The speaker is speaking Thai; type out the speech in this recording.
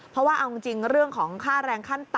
เพราะว่าเอาจริงเรื่องของค่าแรงขั้นต่ำ